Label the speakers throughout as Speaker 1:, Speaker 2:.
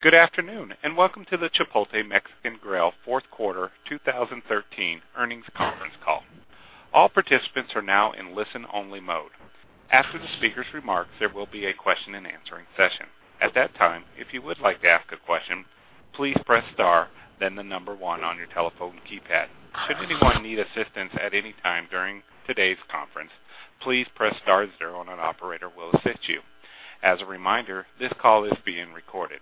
Speaker 1: Good afternoon. Welcome to the Chipotle Mexican Grill fourth quarter 2013 earnings conference call. All participants are now in listen only mode. After the speaker's remarks, there will be a question and answering session. At that time, if you would like to ask a question, please press star, then the number one on your telephone keypad. Should anyone need assistance at any time during today's conference, please press star zero and an operator will assist you. As a reminder, this call is being recorded.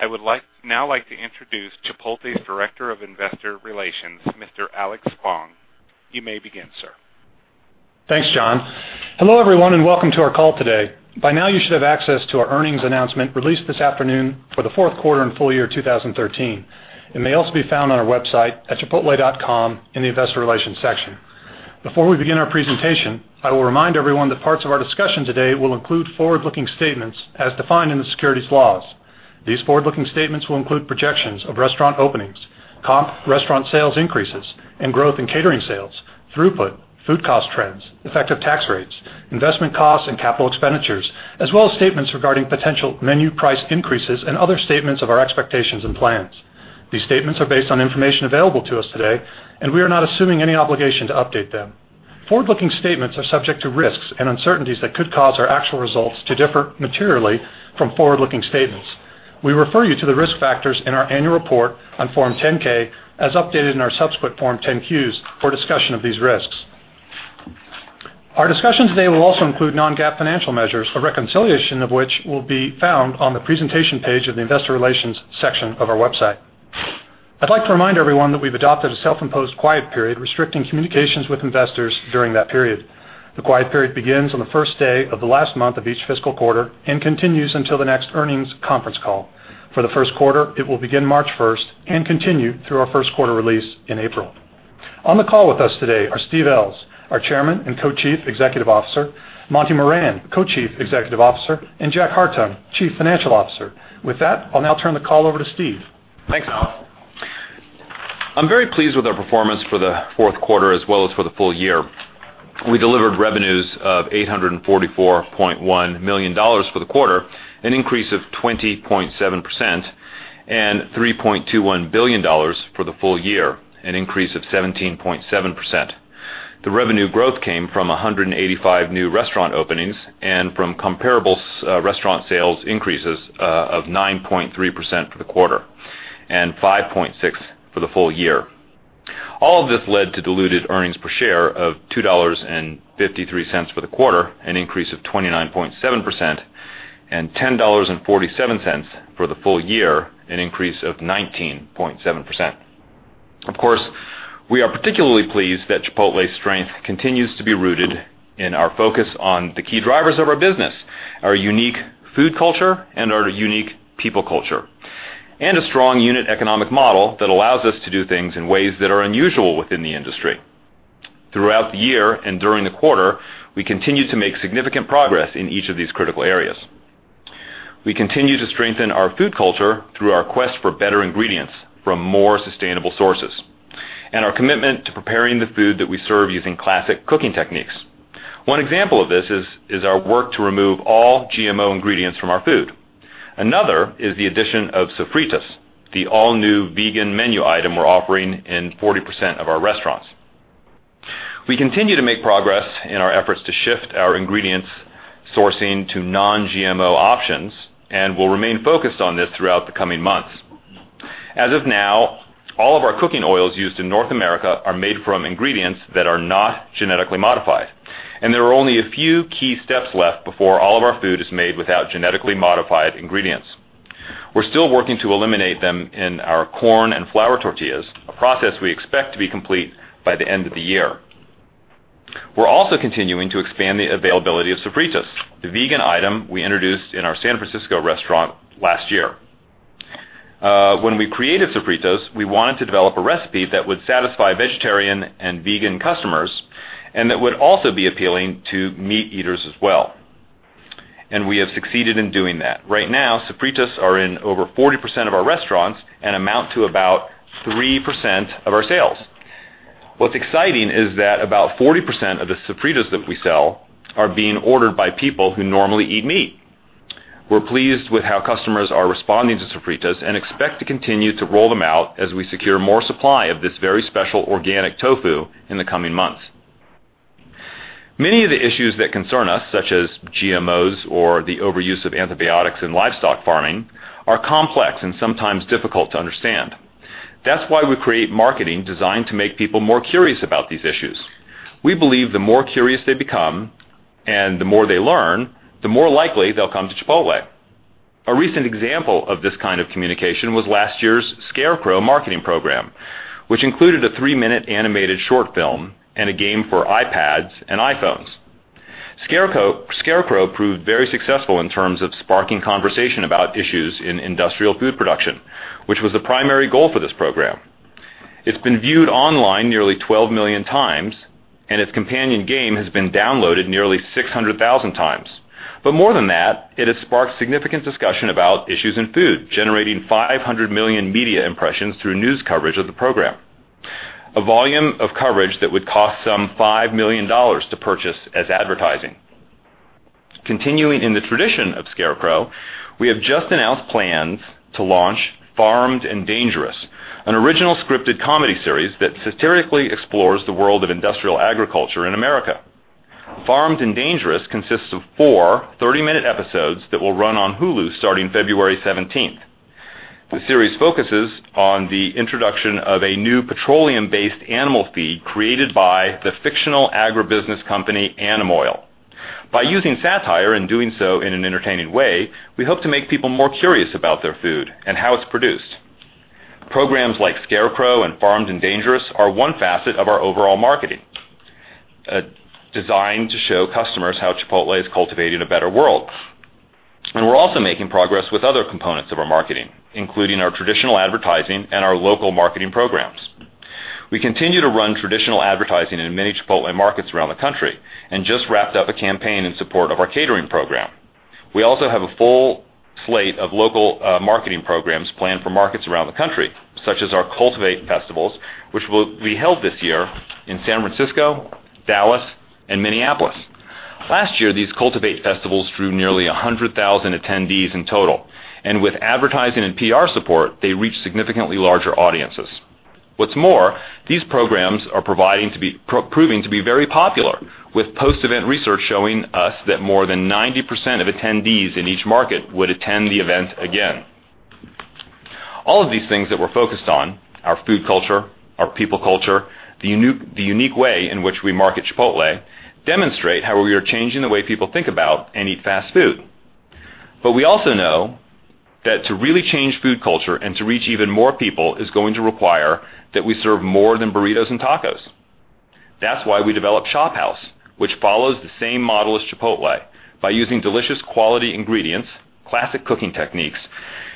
Speaker 1: I would now like to introduce Chipotle's Director of Investor Relations, Mr. Alex Spong. You may begin, sir.
Speaker 2: Thanks, John. Hello, everyone. Welcome to our call today. By now, you should have access to our earnings announcement released this afternoon for the fourth quarter and full year 2013. It may also be found on our website at chipotle.com in the investor relations section. Before we begin our presentation, I will remind everyone that parts of our discussion today will include forward-looking statements as defined in the securities laws. These forward-looking statements will include projections of restaurant openings, comp restaurant sales increases, growth in catering sales, throughput, food cost trends, effective tax rates, investment costs, and capital expenditures, as well as statements regarding potential menu price increases and other statements of our expectations and plans. These statements are based on information available to us today. We are not assuming any obligation to update them. Forward-looking statements are subject to risks and uncertainties that could cause our actual results to differ materially from forward-looking statements. We refer you to the risk factors in our annual report on Form 10-K, as updated in our subsequent Form 10-Qs for discussion of these risks. Our discussion today will also include non-GAAP financial measures, a reconciliation of which will be found on the presentation page of the investor relations section of our website. I'd like to remind everyone that we've adopted a self-imposed quiet period restricting communications with investors during that period. The quiet period begins on the first day of the last month of each fiscal quarter and continues until the next earnings conference call. For the first quarter, it will begin March 1st and continue through our first quarter release in April. On the call with us today are Steve Ells, our Chairman and Co-Chief Executive Officer, Monty Moran, Co-Chief Executive Officer, and Jack Hartung, Chief Financial Officer. With that, I'll now turn the call over to Steve.
Speaker 3: Thanks, Alex. I'm very pleased with our performance for the fourth quarter as well as for the full year. We delivered revenues of $844.1 million for the quarter, an increase of 20.7%, and $3.21 billion for the full year, an increase of 17.7%. The revenue growth came from 185 new restaurant openings and from comparable restaurant sales increases of 9.3% for the quarter and 5.6% for the full year. All of this led to diluted earnings per share of $2.53 for the quarter, an increase of 29.7%, and $10.47 for the full year, an increase of 19.7%. Of course, we are particularly pleased that Chipotle's strength continues to be rooted in our focus on the key drivers of our business, our unique food culture and our unique people culture, and a strong unit economic model that allows us to do things in ways that are unusual within the industry. Throughout the year and during the quarter, we continued to make significant progress in each of these critical areas. We continue to strengthen our food culture through our quest for better ingredients from more sustainable sources and our commitment to preparing the food that we serve using classic cooking techniques. One example of this is our work to remove all GMO ingredients from our food. Another is the addition of Sofritas, the all-new vegan menu item we're offering in 40% of our restaurants. We continue to make progress in our efforts to shift our ingredients sourcing to non-GMO options. We'll remain focused on this throughout the coming months. As of now, all of our cooking oils used in North America are made from ingredients that are not genetically modified, and there are only a few key steps left before all of our food is made without genetically modified ingredients. We're still working to eliminate them in our corn and flour tortillas, a process we expect to be complete by the end of the year. We're also continuing to expand the availability of Sofritas, the vegan item we introduced in our San Francisco restaurant last year. When we created Sofritas, we wanted to develop a recipe that would satisfy vegetarian and vegan customers and that would also be appealing to meat eaters as well. We have succeeded in doing that. Right now, Sofritas are in over 40% of our restaurants and amount to about 3% of our sales. What's exciting is that about 40% of the Sofritas that we sell are being ordered by people who normally eat meat. We're pleased with how customers are responding to Sofritas and expect to continue to roll them out as we secure more supply of this very special organic tofu in the coming months. Many of the issues that concern us, such as GMOs or the overuse of antibiotics in livestock farming, are complex and sometimes difficult to understand. That's why we create marketing designed to make people more curious about these issues. We believe the more curious they become and the more they learn, the more likely they'll come to Chipotle. A recent example of this kind of communication was last year's Scarecrow marketing program, which included a three-minute animated short film and a game for iPads and iPhones. Scarecrow proved very successful in terms of sparking conversation about issues in industrial food production, which was the primary goal for this program. It's been viewed online nearly 12 million times, and its companion game has been downloaded nearly 600,000 times. More than that, it has sparked significant discussion about issues in food, generating 500 million media impressions through news coverage of the program. A volume of coverage that would cost some $5 million to purchase as advertising. Continuing in the tradition of Scarecrow, we have just announced plans to launch Farmed and Dangerous, an original scripted comedy series that satirically explores the world of industrial agriculture in America. Farmed and Dangerous consists of 4 30-minute episodes that will run on Hulu starting February 17th. The series focuses on the introduction of a new petroleum-based animal feed created by the fictional agribusiness company, Animoil. By using satire and doing so in an entertaining way, we hope to make people more curious about their food and how it's produced. Programs like Scarecrow and Farmed and Dangerous are one facet of our overall marketing, designed to show customers how Chipotle is cultivating a better world. We're also making progress with other components of our marketing, including our traditional advertising and our local marketing programs. We continue to run traditional advertising in many Chipotle markets around the country and just wrapped up a campaign in support of our catering program. We also have a full slate of local marketing programs planned for markets around the country, such as our Cultivate Festivals, which will be held this year in San Francisco, Dallas, and Minneapolis. Last year, these Cultivate Festivals drew nearly 100,000 attendees in total. With advertising and PR support, they reached significantly larger audiences. What's more, these programs are proving to be very popular with post-event research showing us that more than 90% of attendees in each market would attend the event again. All of these things that we're focused on, our food culture, our people culture, the unique way in which we market Chipotle, demonstrate how we are changing the way people think about and eat fast food. We also know that to really change food culture and to reach even more people is going to require that we serve more than burritos and tacos. That's why we developed ShopHouse, which follows the same model as Chipotle by using delicious quality ingredients, classic cooking techniques,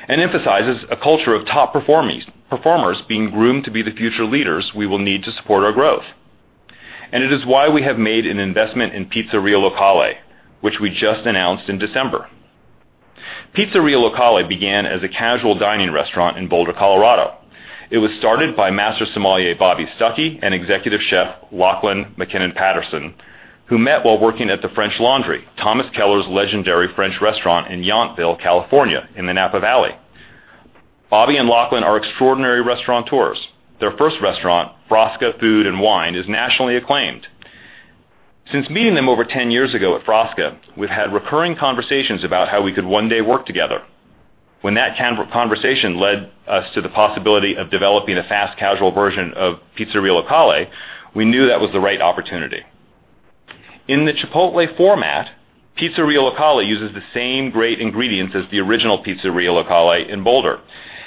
Speaker 3: and emphasizes a culture of top performers being groomed to be the future leaders we will need to support our growth. It is why we have made an investment in Pizzeria Locale, which we just announced in December. Pizzeria Locale began as a casual dining restaurant in Boulder, Colorado. It was started by Master Sommelier Bobby Stuckey and Executive Chef Lachlan Mackinnon-Patterson, who met while working at The French Laundry, Thomas Keller's legendary French restaurant in Yountville, California, in the Napa Valley. Bobby and Lachlan are extraordinary restaurateurs. Their first restaurant, Frasca Food and Wine, is nationally acclaimed. Since meeting them over 10 years ago at Frasca, we've had recurring conversations about how we could one day work together. When that conversation led us to the possibility of developing a fast casual version of Pizzeria Locale, we knew that was the right opportunity. In the Chipotle format, Pizzeria Locale uses the same great ingredients as the original Pizzeria Locale in Boulder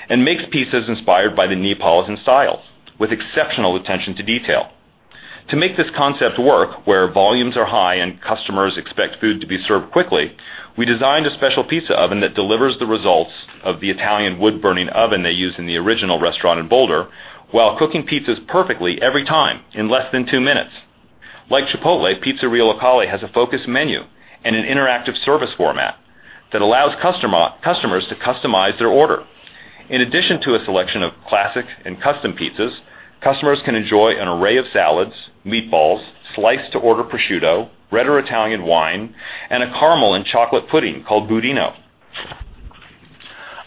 Speaker 3: and makes pizzas inspired by the Neapolitan style with exceptional attention to detail. To make this concept work where volumes are high and customers expect food to be served quickly, we designed a special pizza oven that delivers the results of the Italian wood-burning oven they use in the original restaurant in Boulder while cooking pizzas perfectly every time in less than 2 minutes. Like Chipotle, Pizzeria Locale has a focused menu and an interactive service format that allows customers to customize their order. In addition to a selection of classic and custom pizzas, customers can enjoy an array of salads, meatballs, sliced to order prosciutto, red or Italian wine, and a caramel and chocolate pudding called budino.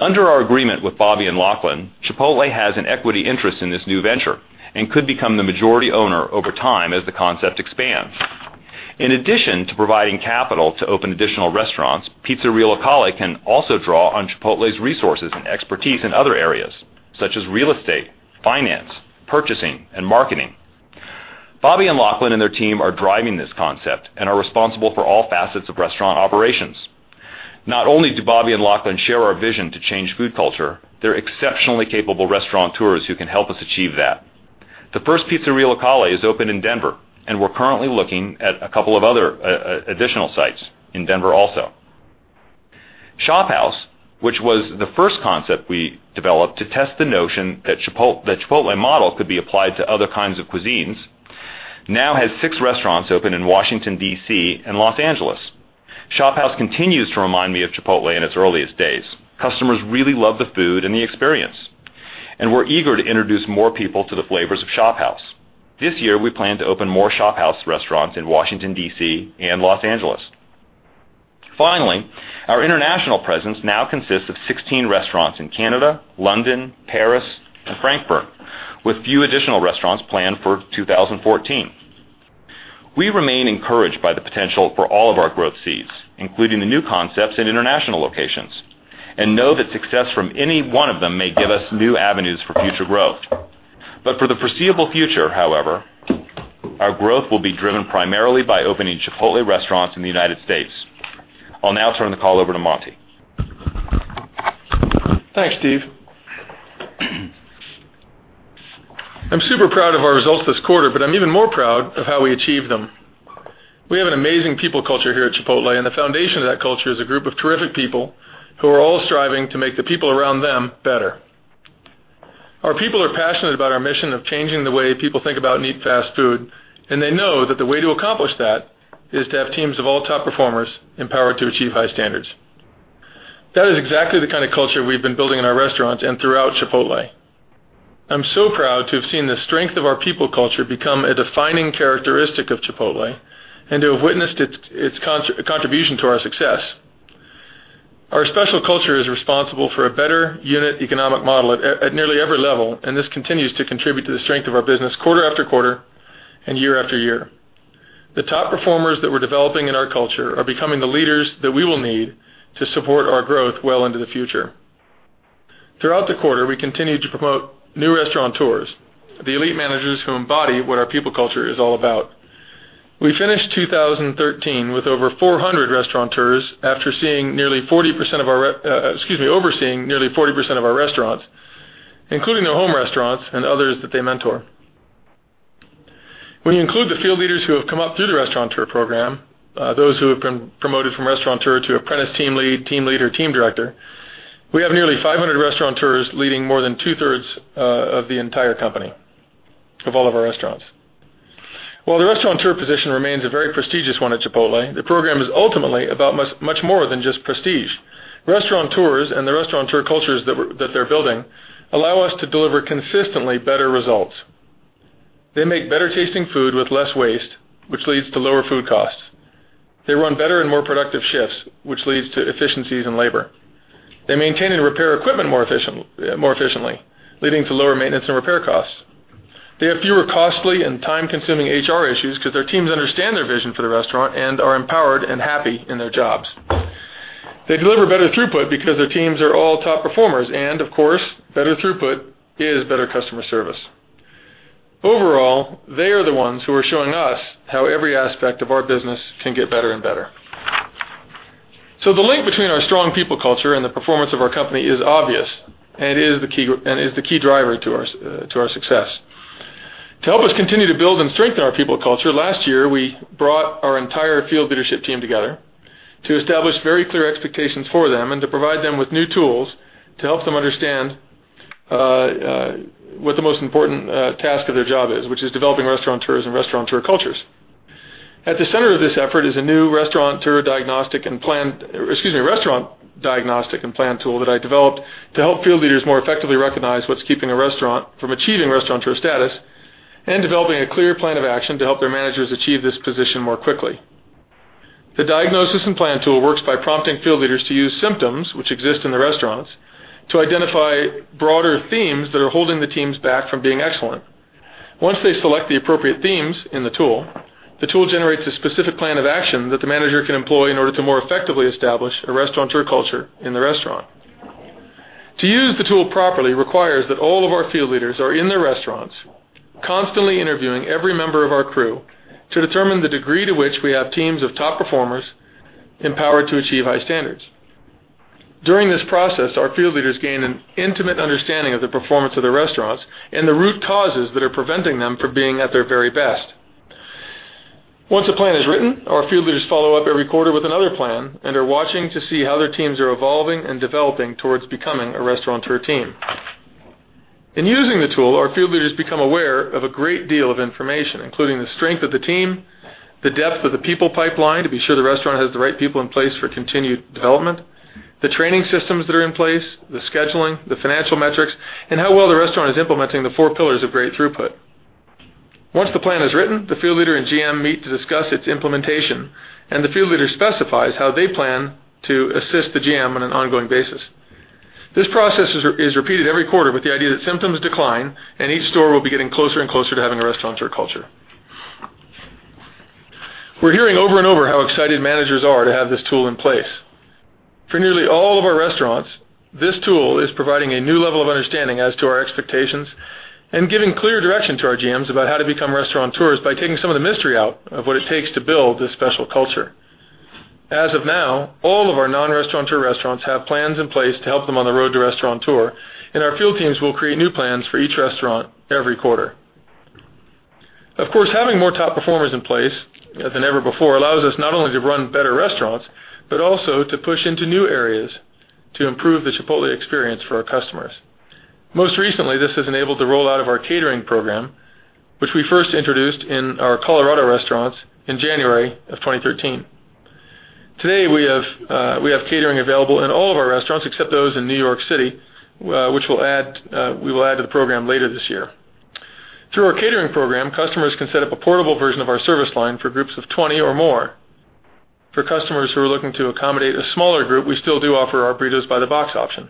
Speaker 3: Under our agreement with Bobby and Lachlan, Chipotle has an equity interest in this new venture and could become the majority owner over time as the concept expands. In addition to providing capital to open additional restaurants, Pizzeria Locale can also draw on Chipotle's resources and expertise in other areas, such as real estate, finance, purchasing, and marketing. Bobby and Lachlan and their team are driving this concept and are responsible for all facets of restaurant operations. Not only do Bobby and Lachlan share our vision to change food culture, they're exceptionally capable restaurateurs who can help us achieve that. The first Pizzeria Locale is open in Denver, and we're currently looking at a couple of other additional sites in Denver also. ShopHouse, which was the first concept we developed to test the notion that Chipotle model could be applied to other kinds of cuisines, now has 6 restaurants open in Washington, D.C., and Los Angeles. ShopHouse continues to remind me of Chipotle in its earliest days. Customers really love the food and the experience, and we're eager to introduce more people to the flavors of ShopHouse. This year, we plan to open more ShopHouse restaurants in Washington, D.C., and Los Angeles. Finally, our international presence now consists of 16 restaurants in Canada, London, Paris, and Frankfurt, with few additional restaurants planned for 2014. We remain encouraged by the potential for all of our growth seeds, including the new concepts in international locations, and know that success from any one of them may give us new avenues for future growth. For the foreseeable future, however, our growth will be driven primarily by opening Chipotle restaurants in the United States. I'll now turn the call over to Monty.
Speaker 4: Thanks, Steve. I'm super proud of our results this quarter. I'm even more proud of how we achieved them. We have an amazing people culture here at Chipotle. The foundation of that culture is a group of terrific people who are all striving to make the people around them better. Our people are passionate about our mission of changing the way people think about and eat fast food. They know that the way to accomplish that is to have teams of all top performers empowered to achieve high standards. That is exactly the kind of culture we've been building in our restaurants and throughout Chipotle. I'm so proud to have seen the strength of our people culture become a defining characteristic of Chipotle, and to have witnessed its contribution to our success. Our special culture is responsible for a better unit economic model at nearly every level. This continues to contribute to the strength of our business quarter after quarter and year after year. The top performers that we're developing in our culture are becoming the leaders that we will need to support our growth well into the future. Throughout the quarter, we continued to promote new Restaurateurs, the elite managers who embody what our people culture is all about. We finished 2013 with over 400 Restaurateurs after overseeing nearly 40% of our restaurants, including their home restaurants and others that they mentor. When you include the field leaders who have come up through the Restaurateur program, those who have been promoted from Restaurateur to Apprentice Team Lead, Team Lead, or Team Director, we have nearly 500 Restaurateurs leading more than two-thirds of the entire company, of all of our restaurants. While the Restaurateur position remains a very prestigious one at Chipotle, the program is ultimately about much more than just prestige. Restaurateurs and the Restaurateur cultures that they're building allow us to deliver consistently better results. They make better-tasting food with less waste, which leads to lower food costs. They run better and more productive shifts, which leads to efficiencies in labor. They maintain and repair equipment more efficiently, leading to lower maintenance and repair costs. They have fewer costly and time-consuming HR issues because their teams understand their vision for the restaurant and are empowered and happy in their jobs. They deliver better throughput because their teams are all top performers. Of course, better throughput is better customer service. Overall, they are the ones who are showing us how every aspect of our business can get better and better. The link between our strong people culture and the performance of our company is obvious and is the key driver to our success. To help us continue to build and strengthen our people culture, last year, we brought our entire field leadership team together to establish very clear expectations for them and to provide them with new tools to help them understand what the most important task of their job is, which is developing Restaurateurs and Restaurateur cultures. At the center of this effort is a new restaurant diagnostic and plan tool that I developed to help field leaders more effectively recognize what's keeping a restaurant from achieving Restaurateur status, and developing a clear plan of action to help their managers achieve this position more quickly. The diagnosis and plan tool works by prompting field leaders to use symptoms, which exist in the restaurants, to identify broader themes that are holding the teams back from being excellent. Once they select the appropriate themes in the tool, the tool generates a specific plan of action that the manager can employ in order to more effectively establish a Restaurateur culture in the restaurant. To use the tool properly requires that all of our field leaders are in their restaurants, constantly interviewing every member of our crew to determine the degree to which we have teams of top performers empowered to achieve high standards. During this process, our field leaders gain an intimate understanding of the performance of their restaurants and the root causes that are preventing them from being at their very best. Once a plan is written, our field leaders follow up every quarter with another plan and are watching to see how their teams are evolving and developing towards becoming a Restaurateur team. In using the tool, our field leaders become aware of a great deal of information, including the strength of the team, the depth of the people pipeline to be sure the restaurant has the right people in place for continued development, the training systems that are in place, the scheduling, the financial metrics, and how well the restaurant is implementing the Four Pillars of Great Throughput. Once the plan is written, the field leader and GM meet to discuss its implementation, and the field leader specifies how they plan to assist the GM on an ongoing basis. This process is repeated every quarter with the idea that symptoms decline and each store will be getting closer and closer to having a Restaurateur culture. We're hearing over and over how excited managers are to have this tool in place. For nearly all of our restaurants, this tool is providing a new level of understanding as to our expectations and giving clear direction to our GMs about how to become Restaurateurs by taking some of the mystery out of what it takes to build this special culture. As of now, all of our non-Restaurateur restaurants have plans in place to help them on the road to Restaurateur, and our field teams will create new plans for each restaurant every quarter. Having more top performers in place than ever before allows us not only to run better restaurants, but also to push into new areas to improve the Chipotle experience for our customers. Most recently, this has enabled the rollout of our catering program, which we first introduced in our Colorado restaurants in January of 2013. Today, we have catering available in all of our restaurants except those in New York City, which we will add to the program later this year. Through our catering program, customers can set up a portable version of our service line for groups of 20 or more. For customers who are looking to accommodate a smaller group, we still do offer our Burritos by the Box option.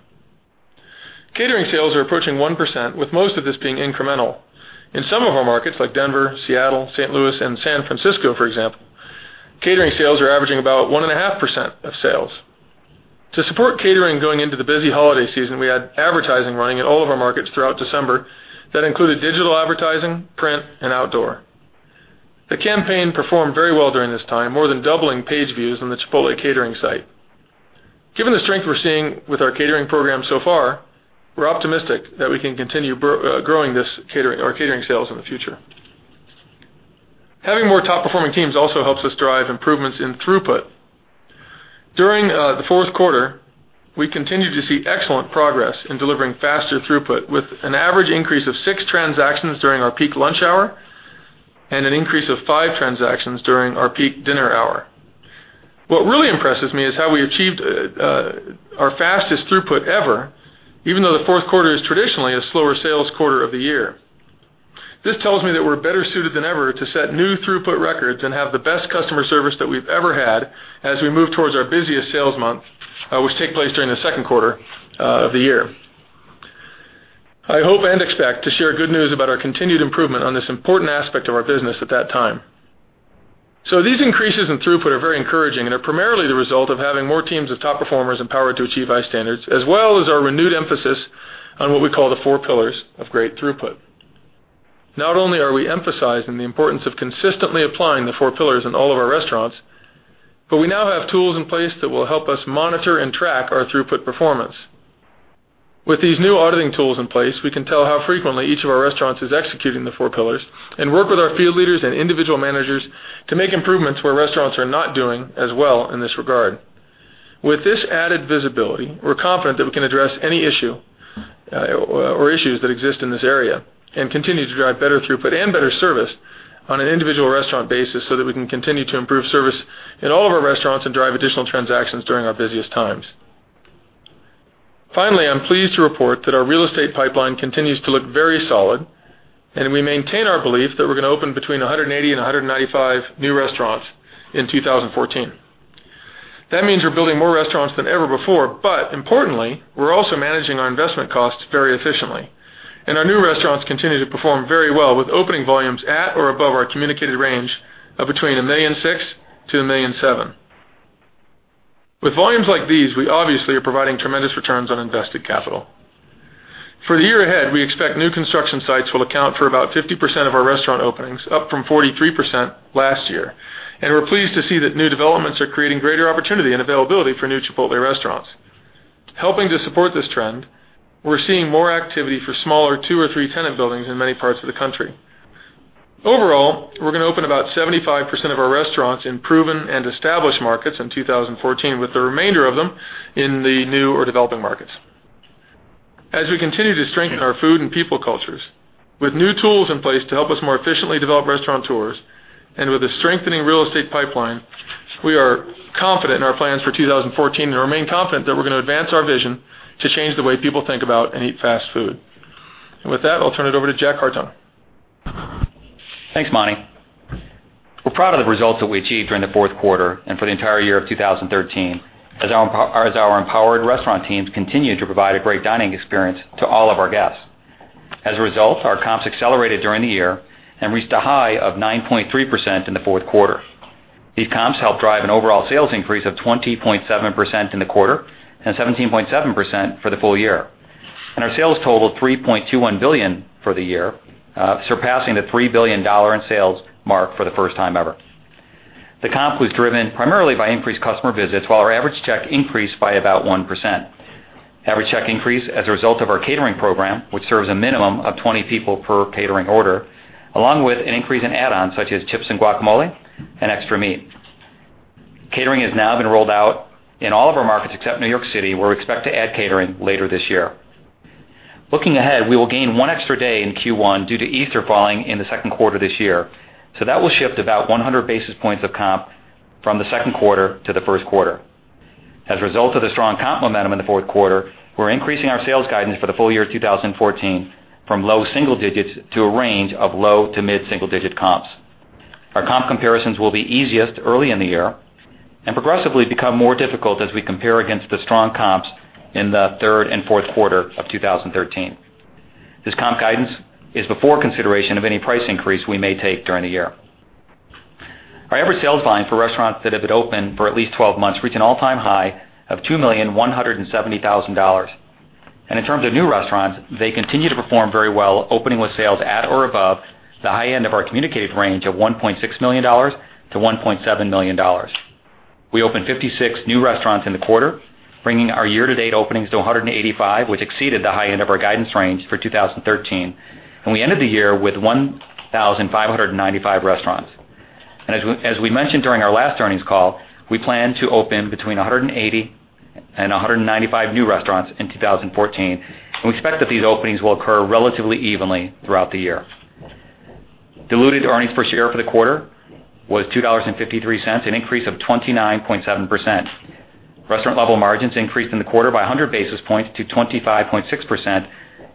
Speaker 4: Catering sales are approaching 1%, with most of this being incremental. In some of our markets, like Denver, Seattle, St. Louis, and San Francisco, for example, catering sales are averaging about 1.5% of sales. To support catering going into the busy holiday season, we had advertising running in all of our markets throughout December that included digital advertising, print, and outdoor. The campaign performed very well during this time, more than doubling page views on the Chipotle catering site. Given the strength we're seeing with our catering program so far, we're optimistic that we can continue growing our catering sales in the future. Having more top-performing teams also helps us drive improvements in throughput. During the fourth quarter, we continued to see excellent progress in delivering faster throughput, with an average increase of six transactions during our peak lunch hour and an increase of five transactions during our peak dinner hour. What really impresses me is how we achieved our fastest throughput ever, even though the fourth quarter is traditionally a slower sales quarter of the year. This tells me that we're better suited than ever to set new throughput records and have the best customer service that we've ever had as we move towards our busiest sales month, which take place during the second quarter of the year. I hope and expect to share good news about our continued improvement on this important aspect of our business at that time. These increases in throughput are very encouraging and are primarily the result of having more teams of top performers empowered to achieve high standards, as well as our renewed emphasis on what we call the Four Pillars of Great Throughput. Not only are we emphasizing the importance of consistently applying the Four Pillars in all of our restaurants, but we now have tools in place that will help us monitor and track our throughput performance. With these new auditing tools in place, we can tell how frequently each of our restaurants is executing the Four Pillars and work with our field leaders and individual managers to make improvements where restaurants are not doing as well in this regard. With this added visibility, we're confident that we can address any issue or issues that exist in this area and continue to drive better throughput and better service on an individual restaurant basis so that we can continue to improve service in all of our restaurants and drive additional transactions during our busiest times. Finally, I'm pleased to report that our real estate pipeline continues to look very solid, and we maintain our belief that we're going to open between 180 and 195 new restaurants in 2014. That means we're building more restaurants than ever before, but importantly, we're also managing our investment costs very efficiently. Our new restaurants continue to perform very well, with opening volumes at or above our communicated range of between $1.6 million-$1.7 million. With volumes like these, we obviously are providing tremendous returns on invested capital. For the year ahead, we expect new construction sites will account for about 50% of our restaurant openings, up from 43% last year. We're pleased to see that new developments are creating greater opportunity and availability for new Chipotle restaurants. Helping to support this trend, we're seeing more activity for smaller two or three tenant buildings in many parts of the country. Overall, we're going to open about 75% of our restaurants in proven and established markets in 2014, with the remainder of them in the new or developing markets. As we continue to strengthen our food and people cultures, with new tools in place to help us more efficiently develop Restaurateurs, with a strengthening real estate pipeline, we are confident in our plans for 2014 and remain confident that we're going to advance our vision to change the way people think about and eat fast food. With that, I'll turn it over to Jack Hartung.
Speaker 5: Thanks, Monty. We're proud of the results that we achieved during the fourth quarter and for the entire year of 2013 as our empowered restaurant teams continue to provide a great dining experience to all of our guests. As a result, our comps accelerated during the year and reached a high of 9.3% in the fourth quarter. These comps helped drive an overall sales increase of 20.7% in the quarter and 17.7% for the full year. Our sales totaled $3.21 billion for the year, surpassing the $3 billion in sales mark for the first time ever. The comp was driven primarily by increased customer visits, while our average check increased by about 1%. Average check increase as a result of our catering program, which serves a minimum of 20 people per catering order, along with an increase in add-ons such as chips and guacamole and extra meat. Catering has now been rolled out in all of our markets except New York City, where we expect to add catering later this year. Looking ahead, we will gain one extra day in Q1 due to Easter falling in the second quarter this year, that will shift about 100 basis points of comp from the second quarter to the first quarter. As a result of the strong comp momentum in the fourth quarter, we're increasing our sales guidance for the full year 2014 from low single digits to a range of low to mid single digit comps. Our comp comparisons will be easiest early in the year and progressively become more difficult as we compare against the strong comps in the third and fourth quarter of 2013. This comp guidance is before consideration of any price increase we may take during the year. Our average sales volume for restaurants that have been open for at least 12 months reached an all-time high of $2,170,000. In terms of new restaurants, they continue to perform very well, opening with sales at or above the high end of our communicated range of $1.6 million to $1.7 million. We opened 56 new restaurants in the quarter, bringing our year to date openings to 185, which exceeded the high end of our guidance range for 2013. We ended the year with 1,595 restaurants. As we mentioned during our last earnings call, we plan to open between 180 and 195 new restaurants in 2014, and we expect that these openings will occur relatively evenly throughout the year. Diluted earnings per share for the quarter was $2.53, an increase of 29.7%. Restaurant level margins increased in the quarter by 100 basis points to 25.6%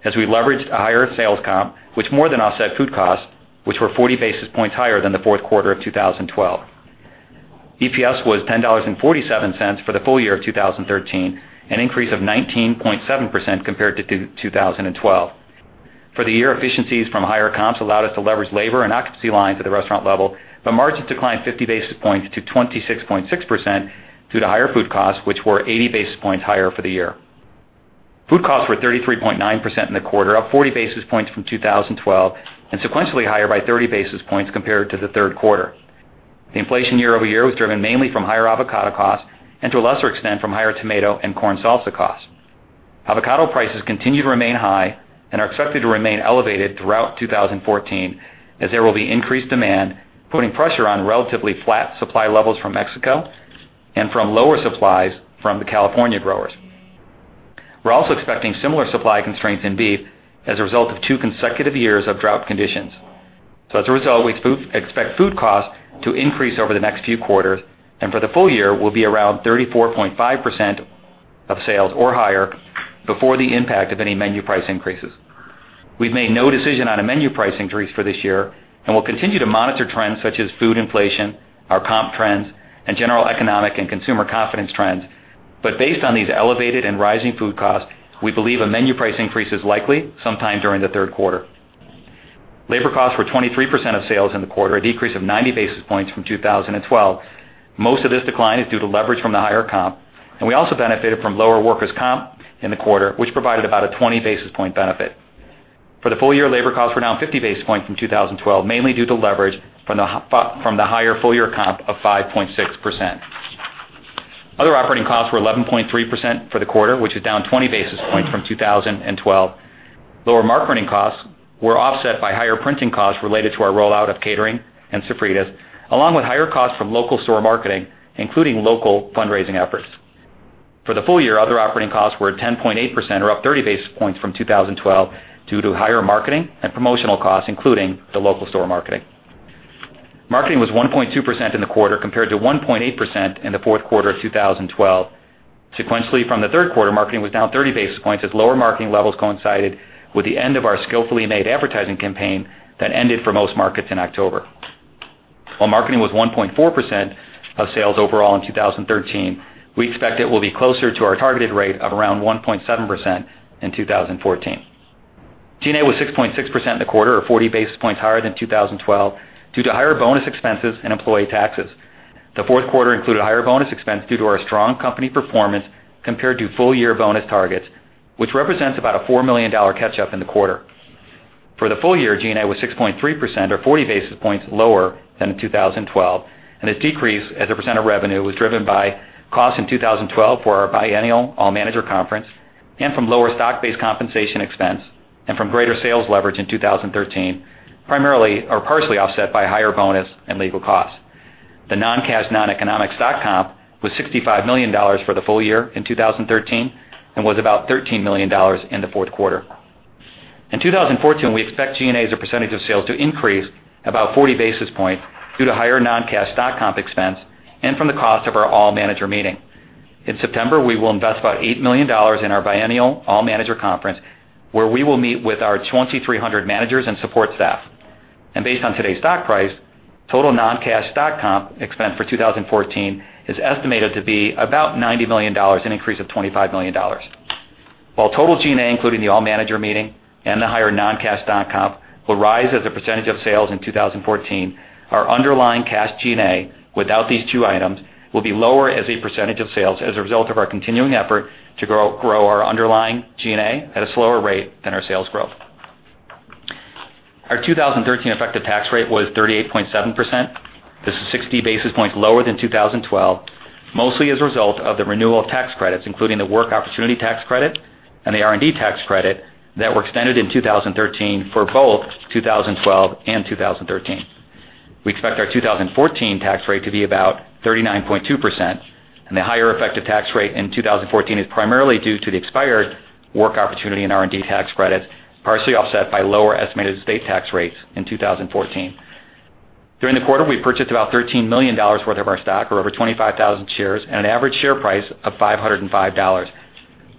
Speaker 5: as we leveraged a higher sales comp, which more than offset food costs, which were 40 basis points higher than the fourth quarter of 2012. EPS was $10.47 for the full year of 2013, an increase of 19.7% compared to 2012. For the year, efficiencies from higher comps allowed us to leverage labor and occupancy lines at the restaurant level, but margins declined 50 basis points to 26.6% due to higher food costs, which were 80 basis points higher for the year. Food costs were 33.9% in the quarter, up 40 basis points from 2012, and sequentially higher by 30 basis points compared to the third quarter. The inflation year-over-year was driven mainly from higher avocado costs and to a lesser extent, from higher tomato and corn salsa costs. Avocado prices continue to remain high and are expected to remain elevated throughout 2014 as there will be increased demand, putting pressure on relatively flat supply levels from Mexico and from lower supplies from the California growers. We're also expecting similar supply constraints in beef as a result of two consecutive years of drought conditions. As a result, we expect food costs to increase over the next few quarters, and for the full year will be around 34.5% of sales or higher before the impact of any menu price increases. We've made no decision on a menu price increase for this year, and we'll continue to monitor trends such as food inflation, our comp trends, and general economic and consumer confidence trends. Based on these elevated and rising food costs, we believe a menu price increase is likely sometime during the third quarter. Labor costs were 23% of sales in the quarter, a decrease of 90 basis points from 2012. Most of this decline is due to leverage from the higher comp, and we also benefited from lower workers' comp in the quarter, which provided about a 20 basis point benefit. For the full year, labor costs were down 50 basis points from 2012, mainly due to leverage from the higher full-year comp of 5.6%. Other operating costs were 11.3% for the quarter, which is down 20 basis points from 2012. Lower marketing costs were offset by higher printing costs related to our rollout of catering and Sofritas, along with higher costs from local store marketing, including local fundraising efforts. For the full year, other operating costs were 10.8%, or up 30 basis points from 2012 due to higher marketing and promotional costs, including the local store marketing. Marketing was 1.2% in the quarter compared to 1.8% in the fourth quarter of 2012. Sequentially, from the third quarter, marketing was down 30 basis points as lower marketing levels coincided with the end of our Skillfully Made advertising campaign that ended for most markets in October. Marketing was 1.4% of sales overall in 2013, we expect it will be closer to our targeted rate of around 1.7% in 2014. G&A was 6.6% in the quarter, or 40 basis points higher than 2012 due to higher bonus expenses and employee taxes. The fourth quarter included higher bonus expense due to our strong company performance compared to full-year bonus targets, which represents about a $4 million catch-up in the quarter. For the full year, G&A was 6.3%, or 40 basis points lower than in 2012. This decrease as a % of revenue was driven by costs in 2012 for our biennial all-manager conference and from lower stock-based compensation expense and from greater sales leverage in 2013, primarily or partially offset by higher bonus and legal costs. The non-cash, non-economic stock comp was $65 million for the full year in 2013 and was about $13 million in the fourth quarter. In 2014, we expect G&A as a % of sales to increase about 40 basis points due to higher non-cash stock comp expense and from the cost of our all-manager meeting. In September, we will invest about $8 million in our biennial all-manager conference, where we will meet with our 2,300 managers and support staff. Based on today's stock price, total non-cash stock comp expense for 2014 is estimated to be about $90 million, an increase of $25 million. While total G&A, including the all-manager meeting and the higher non-cash stock comp, will rise as a % of sales in 2014, our underlying cash G&A without these two items will be lower as a % of sales as a result of our continuing effort to grow our underlying G&A at a slower rate than our sales growth. Our 2013 effective tax rate was 38.7%. This is 60 basis points lower than 2012, mostly as a result of the renewal of tax credits, including the Work Opportunity Tax Credit and the R&D tax credit that were extended in 2013 for both 2012 and 2013. We expect our 2014 tax rate to be about 39.2%. The higher effective tax rate in 2014 is primarily due to the expired Work Opportunity and R&D tax credits, partially offset by lower estimated state tax rates in 2014. During the quarter, we purchased about $13 million worth of our stock, or over 25,000 shares, at an average share price of $505.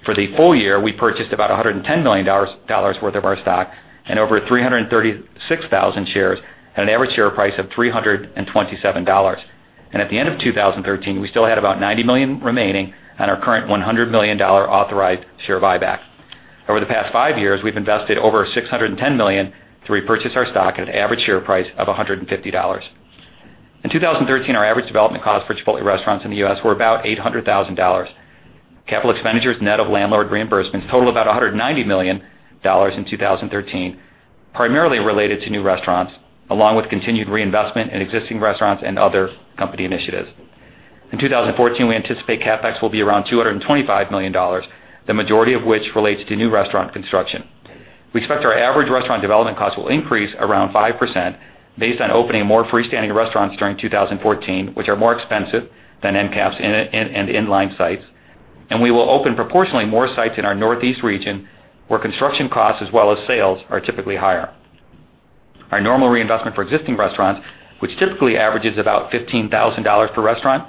Speaker 5: For the full year, we purchased about $110 million worth of our stock and over 336,000 shares at an average share price of $327. At the end of 2013, we still had about $90 million remaining on our current $100 million authorized share buyback. Over the past 5 years, we've invested over $610 million to repurchase our stock at an average share price of $150. In 2013, our average development costs for Chipotle restaurants in the U.S. were about $800,000. Capital expenditures net of landlord reimbursements totaled about $190 million in 2013, primarily related to new restaurants, along with continued reinvestment in existing restaurants and other company initiatives. In 2014, we anticipate CapEx will be around $225 million, the majority of which relates to new restaurant construction. We expect our average restaurant development costs will increase around 5% based on opening more freestanding restaurants during 2014, which are more expensive than end caps and in-line sites. We will open proportionally more sites in our Northeast region, where construction costs as well as sales are typically higher. Our normal reinvestment for existing restaurants, which typically averages about $15,000 per restaurant,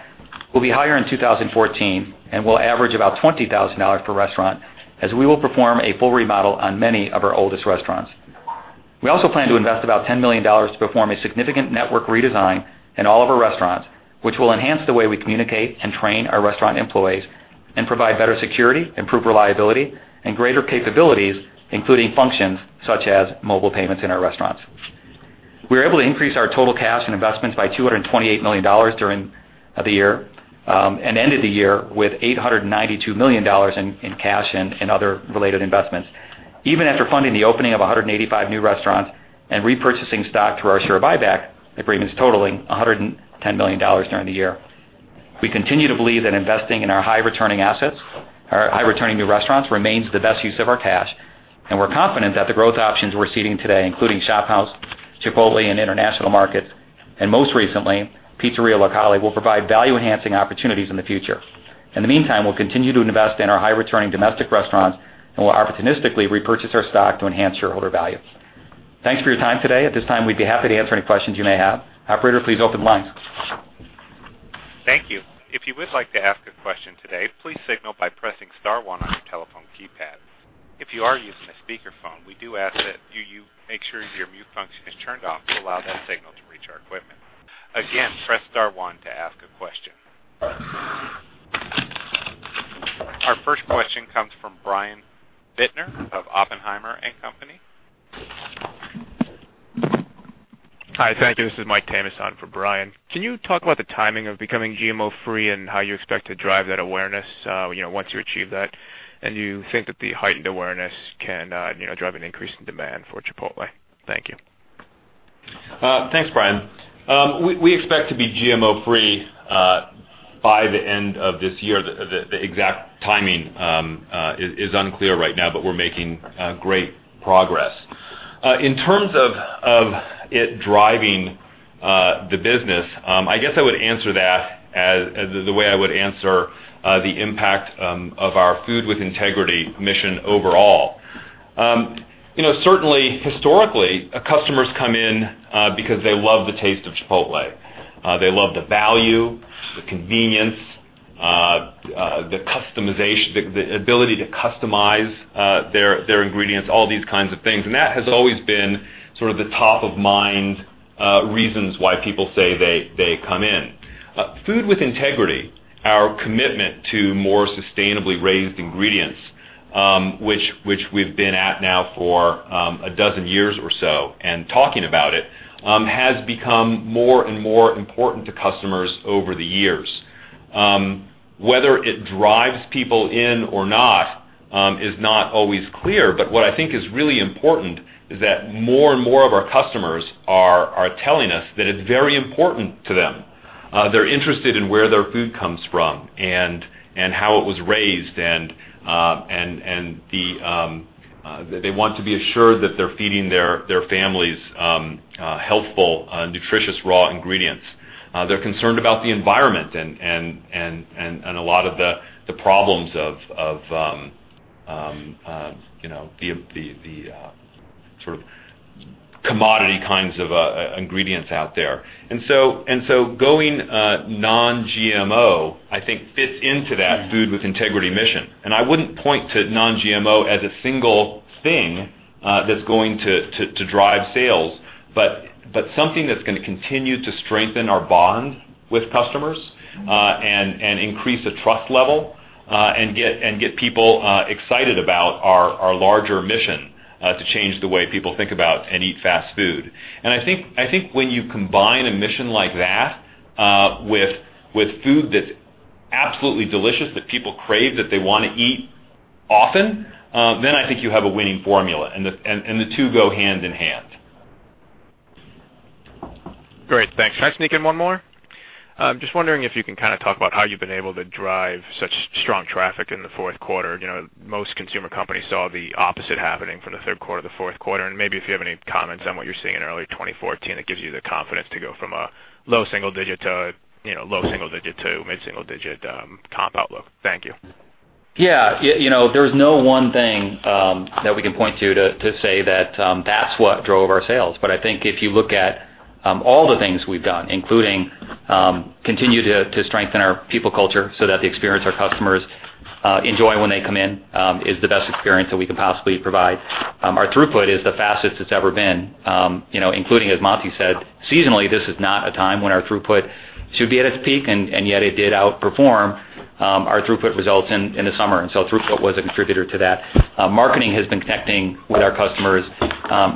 Speaker 5: will be higher in 2014 and will average about $20,000 per restaurant, as we will perform a full remodel on many of our oldest restaurants. We also plan to invest about $10 million to perform a significant network redesign in all of our restaurants, which will enhance the way we communicate and train our restaurant employees and provide better security, improved reliability, and greater capabilities, including functions such as mobile payments in our restaurants. We were able to increase our total cash and investments by $228 million during the year, and ended the year with $892 million in cash and other related investments, even after funding the opening of 185 new restaurants and repurchasing stock through our share buyback agreements totaling $110 million during the year. We continue to believe that investing in our high-returning new restaurants remains the best use of our cash. We're confident that the growth options we're seeing today, including ShopHouse, Chipotle, and international markets, and most recently, Pizzeria Locale, will provide value-enhancing opportunities in the future. In the meantime, we'll continue to invest in our high-returning domestic restaurants, and we'll opportunistically repurchase our stock to enhance shareholder value. Thanks for your time today. At this time, we'd be happy to answer any questions you may have. Operator, please open lines.
Speaker 1: Thank you. If you would like to ask a question today, please signal by pressing star one on your telephone keypad. If you are using a speakerphone, we do ask that you make sure your mute function is turned off to allow that signal to reach our equipment. Again, press star one to ask a question. Our first question comes from Brian Bittner of Oppenheimer and Company.
Speaker 6: Hi, thank you. This is Michael Tamas for Brian. Can you talk about the timing of becoming GMO-free and how you expect to drive that awareness, once you achieve that? Do you think that the heightened awareness can drive an increase in demand for Chipotle? Thank you.
Speaker 3: Thanks, Brian. We expect to be GMO-free by the end of this year. The exact timing is unclear right now, but we're making great progress. In terms of it driving the business, I guess I would answer that as the way I would answer the impact of our Food with Integrity mission overall. Certainly, historically, customers come in because they love the taste of Chipotle. They love the value, the convenience, the ability to customize their ingredients, all these kinds of things. That has always been sort of the top-of-mind reasons why people say they come in. Food with Integrity, our commitment to more sustainably raised ingredients, which we've been at now for a dozen years or so and talking about it, has become more and more important to customers over the years. Whether it drives people in or not is not always clear, but what I think is really important is that more and more of our customers are telling us that it's very important to them. They're interested in where their food comes from and how it was raised, and they want to be assured that they're feeding their families healthful, nutritious, raw ingredients. They're concerned about the environment and a lot of the problems of the sort of commodity kinds of ingredients out there. Going non-GMO, I think fits into that Food with Integrity mission. I wouldn't point to non-GMO as a single thing that's going to drive sales, but something that's going to continue to strengthen our bond with customers and increase the trust level, and get people excited about our larger mission to change the way people think about and eat fast food. I think when you combine a mission like that with food that's absolutely delicious, that people crave, that they want to eat often, I think you have a winning formula, and the two go hand in hand.
Speaker 6: Great. Thanks. Can I sneak in one more? I'm just wondering if you can kind of talk about how you've been able to drive such strong traffic in the fourth quarter. Most consumer companies saw the opposite happening from the third quarter to the fourth quarter, maybe if you have any comments on what you're seeing in early 2014 that gives you the confidence to go from a low single digit to mid-single digit comp outlook. Thank you.
Speaker 5: Yeah. There's no one thing that we can point to say that that's what drove our sales. I think if you look at all the things we've done, including continue to strengthen our people culture so that the experience our customers enjoy when they come in is the best experience that we could possibly provide. Our throughput is the fastest it's ever been, including, as Monty said, seasonally, this is not a time when our throughput should be at its peak, and yet it did outperform our throughput results in the summer. Throughput was a contributor to that. Marketing has been connecting with our customers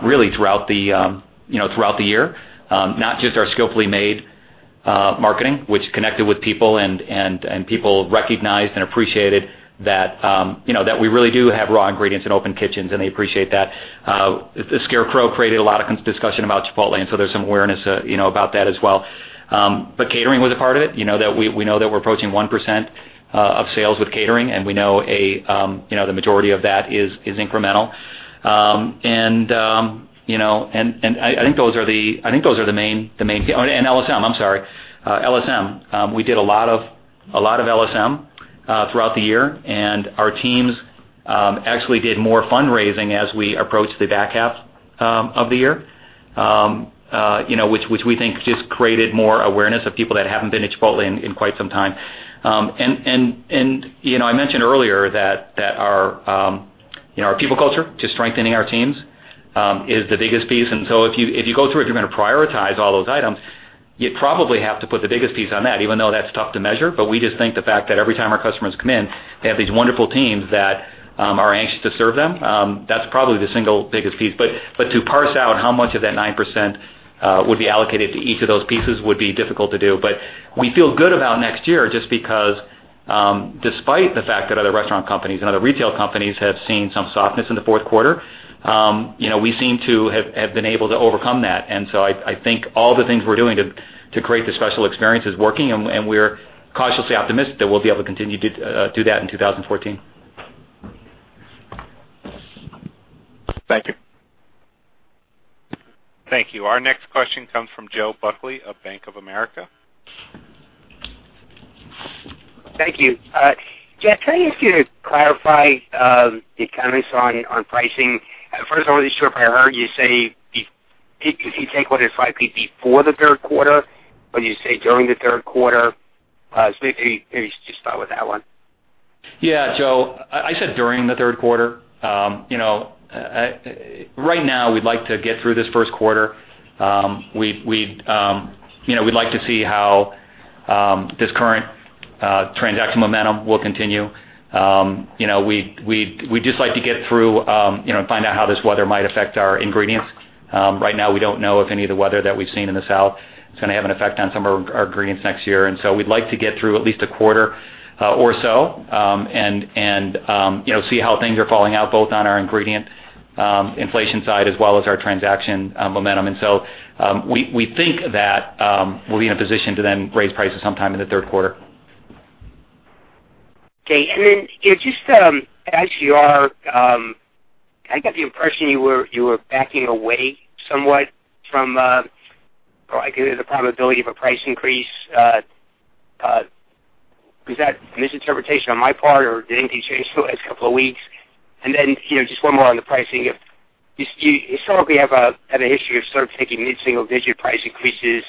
Speaker 5: really throughout the year. Not just our Skillfully Made marketing, which connected with people, and people recognized and appreciated that we really do have raw ingredients and open kitchens, and they appreciate that. The Scarecrow created a lot of discussion about Chipotle. There's some awareness about that as well. Catering was a part of it. We know that we're approaching 1% of sales with catering, and we know the majority of that is incremental. I think those are the main thing. LSM, I'm sorry. LSM. We did a lot of LSM throughout the year, and our teams actually did more fundraising as we approached the back half of the year, which we think just created more awareness of people that haven't been to Chipotle in quite some time. I mentioned earlier that our people culture, just strengthening our teams, is the biggest piece. If you go through it, if you're going to prioritize all those items, you'd probably have to put the biggest piece on that, even though that's tough to measure. We just think the fact that every time our customers come in, they have these wonderful teams that are anxious to serve them. That's probably the single biggest piece. To parse out how much of that 9% would be allocated to each of those pieces would be difficult to do. We feel good about next year just because, despite the fact that other restaurant companies and other retail companies have seen some softness in the fourth quarter We seem to have been able to overcome that. I think all the things we're doing to create the special experience is working, and we're cautiously optimistic that we'll be able to continue to do that in 2014.
Speaker 6: Thank you.
Speaker 1: Thank you. Our next question comes from Joe Buckley of Bank of America.
Speaker 7: Thank you. Jack, can I ask you to clarify the comments on pricing? First, I want to be sure if I heard you say, if you take what is likely before the third quarter, or you say during the third quarter. Maybe just start with that one.
Speaker 5: Yeah. Joe, I said during the third quarter. Right now, we'd like to get through this first quarter. We'd like to see how this current transaction momentum will continue. We'd just like to get through, find out how this weather might affect our ingredients. Right now, we don't know if any of the weather that we've seen in the south is going to have an effect on some of our ingredients next year. We'd like to get through at least a quarter or so, and see how things are falling out, both on our ingredient inflation side as well as our transaction momentum. We think that we'll be in a position to then raise prices sometime in the third quarter.
Speaker 7: Okay. Just ICR, I got the impression you were backing away somewhat from the probability of a price increase. Is that misinterpretation on my part, or did anything change the last couple of weeks? Just one more on the pricing. Historically, you have a history of sort of taking mid-single digit price increases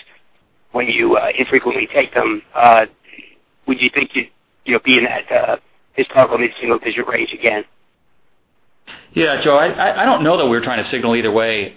Speaker 7: when you infrequently take them. Would you think you'd be in that historical mid-single digit range again?
Speaker 5: Yeah, Joe, I don't know that we're trying to signal either way at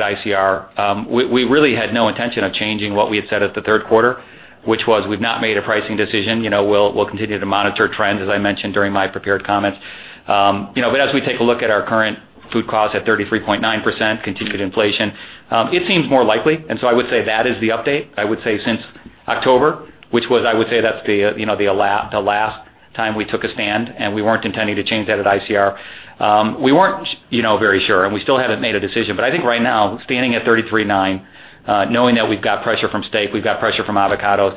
Speaker 5: ICR. We really had no intention of changing what we had said at the third quarter, which was we've not made a pricing decision. We'll continue to monitor trends, as I mentioned during my prepared comments. As we take a look at our current food cost at 33.9%, continued inflation, it seems more likely. I would say that is the update, since October, which was, that's the last time we took a stand, and we weren't intending to change that at ICR. We weren't very sure, and we still haven't made a decision. I think right now, standing at 33.9, knowing that we've got pressure from steak, we've got pressure from avocados,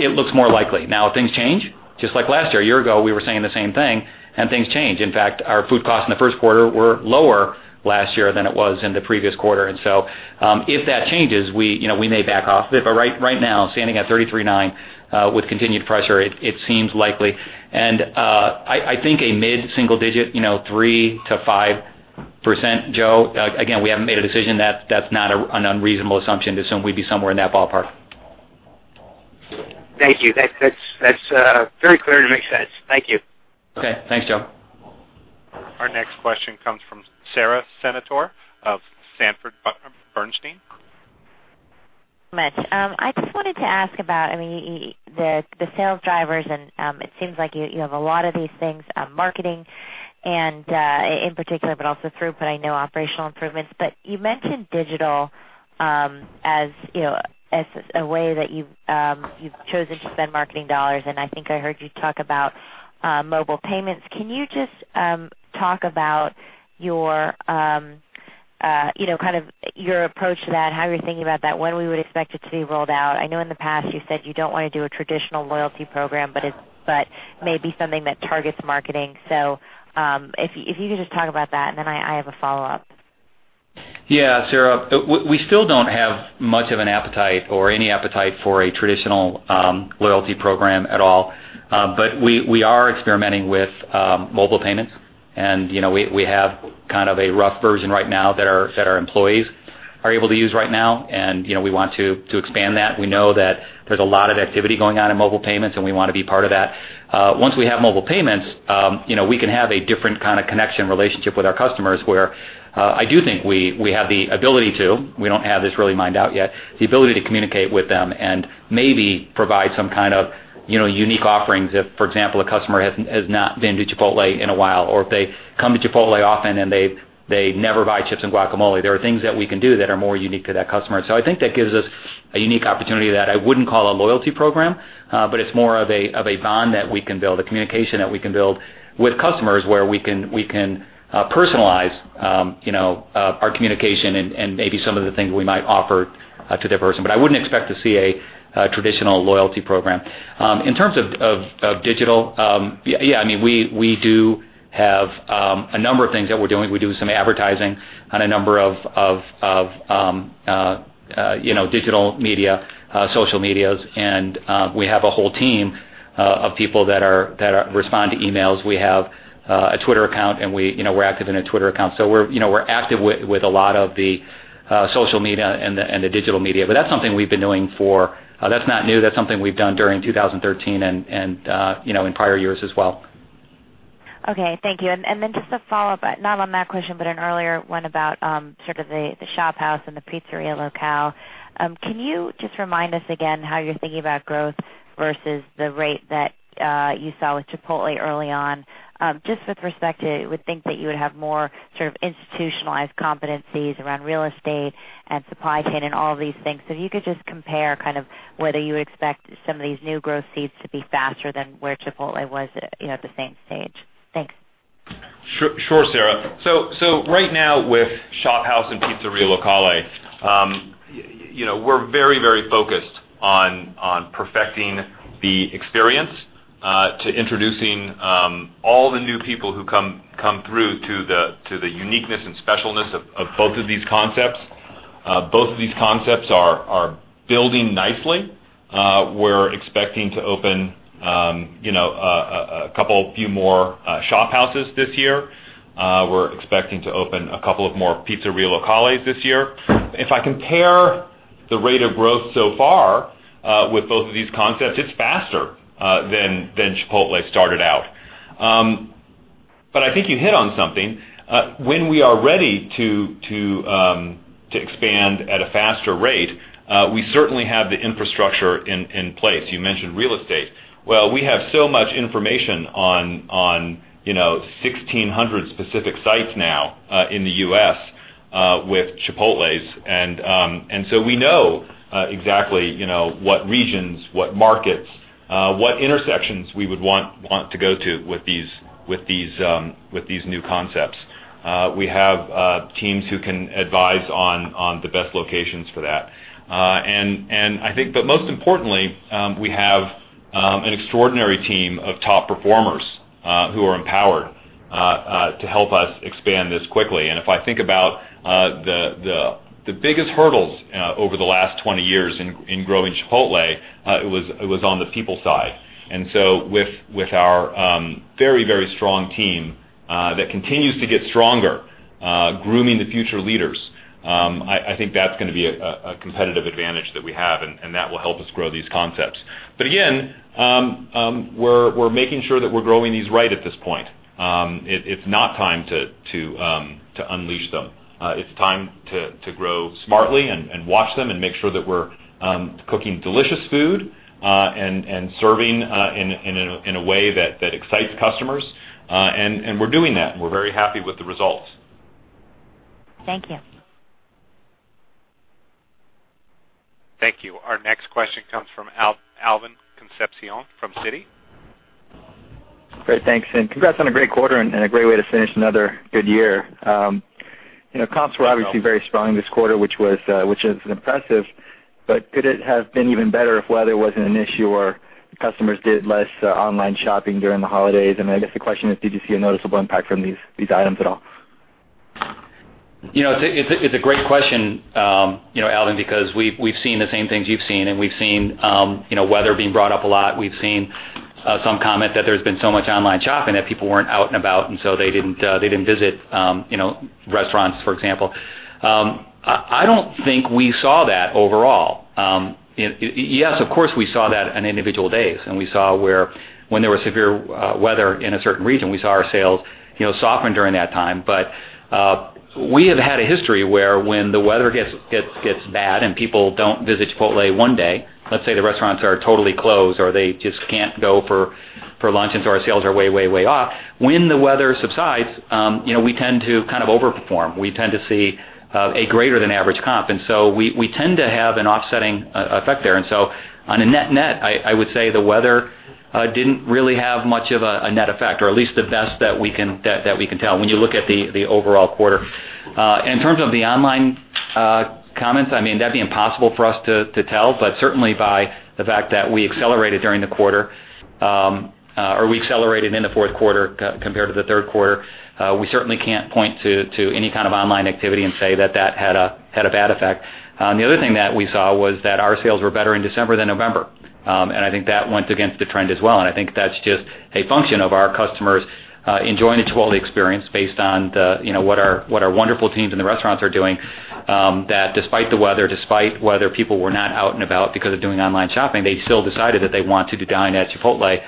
Speaker 5: it looks more likely. If things change, just like last year, a year ago, we were saying the same thing, and things change. In fact, our food costs in the first quarter were lower last year than it was in the previous quarter. If that changes, we may back off. Right now, standing at 33.9 with continued pressure, it seems likely. I think a mid-single digit, 3%-5%, Joe, again, we haven't made a decision. That's not an unreasonable assumption to assume we'd be somewhere in that ballpark.
Speaker 7: Thank you. That's very clear and makes sense. Thank you.
Speaker 5: Okay. Thanks, Joe.
Speaker 1: Our next question comes from Sara Senatore of Sanford C. Bernstein.
Speaker 8: Thanks so much. It seems like you have a lot of these things, marketing in particular, but also throughput, I know operational improvements. You mentioned digital as a way that you've chosen to spend marketing dollars, and I think I heard you talk about mobile payments. Can you just talk about your approach to that, how you're thinking about that, when we would expect it to be rolled out? I know in the past you said you don't want to do a traditional loyalty program, but maybe something that targets marketing. If you could just talk about that, and then I have a follow-up.
Speaker 5: Yeah, Sara. We still don't have much of an appetite or any appetite for a traditional loyalty program at all. We are experimenting with mobile payments, and we have kind of a rough version right now that our employees are able to use right now, and we want to expand that. We know that there's a lot of activity going on in mobile payments, and we want to be part of that. Once we have mobile payments, we can have a different kind of connection relationship with our customers, where I do think we have the ability to, we don't have this really mined out yet, the ability to communicate with them and maybe provide some kind of unique offerings. If, for example, a customer has not been to Chipotle in a while, or if they come to Chipotle often and they never buy chips and guacamole, there are things that we can do that are more unique to that customer. I think that gives us a unique opportunity that I wouldn't call a loyalty program, but it's more of a bond that we can build, a communication that we can build with customers where we can personalize our communication and maybe some of the things we might offer to that person. I wouldn't expect to see a traditional loyalty program. In terms of digital, yeah, we do have a number of things that we're doing. We do some advertising on a number of digital media, social medias, and we have a whole team of people that respond to emails. We have a Twitter account, we're active in a Twitter account. We're active with a lot of the social media and the digital media. That's something we've been doing. That's not new. That's something we've done during 2013 and in prior years as well.
Speaker 8: Okay, thank you. Just a follow-up, not on that question, but an earlier one about sort of the ShopHouse and the Pizzeria Locale. Can you just remind us again how you're thinking about growth versus the rate that you saw with Chipotle early on, just with respect to, you would think that you would have more sort of institutionalized competencies around real estate and supply chain and all of these things. If you could just compare kind of whether you expect some of these new growth seeds to be faster than where Chipotle was at the same stage. Thanks.
Speaker 3: Sure, Sara. Right now with ShopHouse and Pizzeria Locale, we're very focused on perfecting the experience, to introducing all the new people who come through to the uniqueness and specialness of both of these concepts. Both of these concepts are building nicely. We're expecting to open a couple, few more ShopHouses this year. We're expecting to open a couple of more Pizzeria Locales this year. If I compare the rate of growth so far with both of these concepts, it's faster than Chipotle started out. I think you hit on something. When we are ready to expand at a faster rate, we certainly have the infrastructure in place. You mentioned real estate. Well, we have so much information on 1,600 specific sites now in the U.S. with Chipotles. We know exactly what regions, what markets, what intersections we would want to go to with these new concepts. We have teams who can advise on the best locations for that. Most importantly, we have an extraordinary team of top performers who are empowered to help us expand this quickly. If I think about the biggest hurdles over the last 20 years in growing Chipotle, it was on the people side. With our very strong team that continues to get stronger, grooming the future leaders, I think that's going to be a competitive advantage that we have, that will help us grow these concepts. Again, we're making sure that we're growing these right at this point. It's not time to unleash them. It's time to grow smartly and watch them and make sure that we're cooking delicious food and serving in a way that excites customers, and we're doing that, and we're very happy with the results.
Speaker 8: Thank you.
Speaker 1: Thank you. Our next question comes from Alvin Concepcion from Citi.
Speaker 9: Great. Thanks, and congrats on a great quarter and a great way to finish another good year. Comps were obviously very strong this quarter, which is impressive, but could it have been even better if weather wasn't an issue, or customers did less online shopping during the holidays? I guess the question is, did you see a noticeable impact from these items at all?
Speaker 3: It's a great question, Alvin, because we've seen the same things you've seen. We've seen weather being brought up a lot. We've seen some comment that there's been so much online shopping that people weren't out and about. They didn't visit restaurants, for example. I don't think we saw that overall. Yes, of course, we saw that on individual days, and when there was severe weather in a certain region, we saw our sales soften during that time. We have had a history where when the weather gets bad and people don't visit Chipotle one day, let's say the restaurants are totally closed, or they just can't go for lunch. Our sales are way off. When the weather subsides, we tend to over-perform. We tend to see a greater than average comp. We tend to have an offsetting effect there. On a net-net, I would say the weather didn't really have much of a net effect, or at least the best that we can tell when you look at the overall quarter. In terms of the online comments, that'd be impossible for us to tell, but certainly by the fact that we accelerated during the quarter, or we accelerated in the fourth quarter compared to the third quarter, we certainly can't point to any kind of online activity and say that had a bad effect. The other thing that we saw was that our sales were better in December than November. I think that went against the trend as well. I think that's just a function of our customers enjoying the Chipotle experience based on what our wonderful teams in the restaurants are doing, that despite the weather, despite whether people were not out and about because of doing online shopping, they still decided that they wanted to dine at Chipotle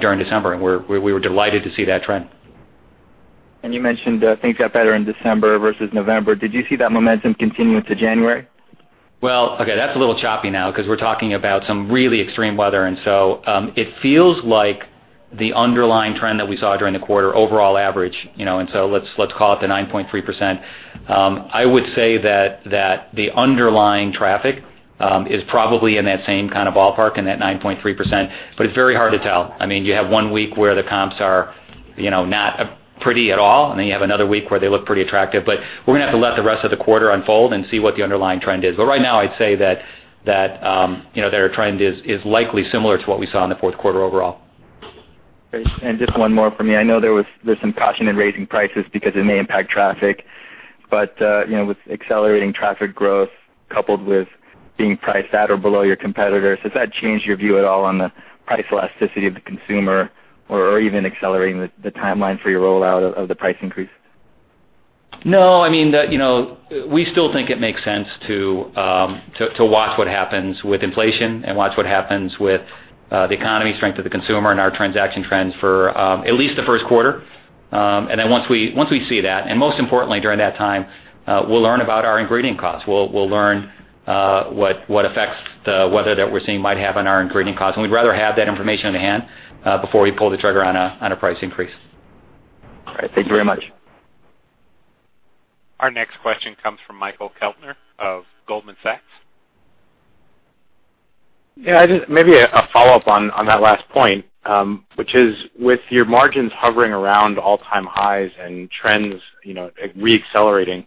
Speaker 3: during December. We were delighted to see that trend.
Speaker 9: You mentioned things got better in December versus November. Did you see that momentum continue into January?
Speaker 3: Okay, that's a little choppy now because we're talking about some really extreme weather, it feels like the underlying trend that we saw during the quarter, overall average, let's call it the 9.3%. I would say that the underlying traffic is probably in that same kind of ballpark, in that 9.3%, it's very hard to tell. You have one week where the comps are not pretty at all, you have another week where they look pretty attractive. We're going to have to let the rest of the quarter unfold and see what the underlying trend is. Right now, I'd say that their trend is likely similar to what we saw in the fourth quarter overall.
Speaker 9: Great. Just one more from me. I know there's some caution in raising prices because it may impact traffic, with accelerating traffic growth coupled with being priced at or below your competitors, has that changed your view at all on the price elasticity of the consumer or even accelerating the timeline for your rollout of the price increase?
Speaker 3: No, we still think it makes sense to watch what happens with inflation and watch what happens with the economy strength of the consumer and our transaction trends for at least the first quarter. Once we see that, most importantly during that time, we'll learn about our ingredient costs. We'll learn what effects the weather that we're seeing might have on our ingredient costs, we'd rather have that information in hand before we pull the trigger on a price increase.
Speaker 9: All right. Thank you very much.
Speaker 1: Our next question comes from Michael Kelter of Goldman Sachs.
Speaker 10: Yeah. Maybe a follow-up on that last point, which is with your margins hovering around all-time highs and trends re-accelerating,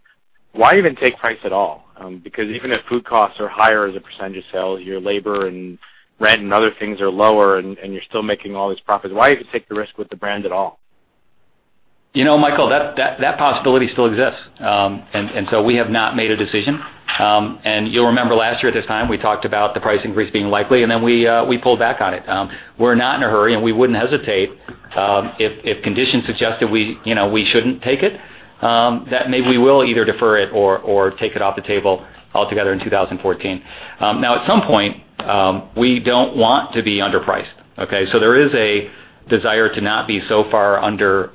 Speaker 10: why even take price at all? Even if food costs are higher as a percentage of sales, your labor and rent and other things are lower, and you're still making all these profits. Why even take the risk with the brand at all?
Speaker 5: Michael, that possibility still exists. We have not made a decision. You'll remember last year at this time, we talked about the price increase being likely, then we pulled back on it. We're not in a hurry, and we wouldn't hesitate if conditions suggest that we shouldn't take it, that maybe we will either defer it or take it off the table altogether in 2014. At some point, we don't want to be underpriced. Okay? There is a desire to not be so far under